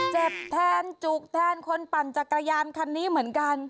เจ็บแทนจุกแทนคนปั่นจักรยานคันนี้เหมือนกัน